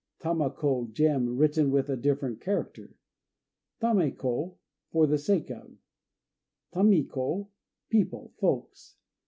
Tama ko "Gem," written with a different character. Tamé ko "For the Sake of " Tami ko "People," folks.